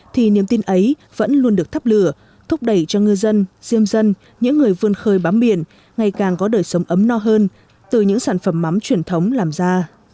thì niềm tin ấy vẫn luôn được thắp lửa thúc đẩy cho ngư dân diêm dân những người vươn khơi bám biển ngày càng có đời sống ấm no hơn từ những sản phẩm mắm truyền thống làm ra